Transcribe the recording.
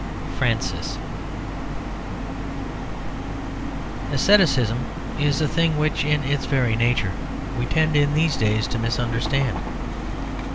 FRANCIS Asceticism is a thing which, in its very nature, we tend in these days to misunderstand.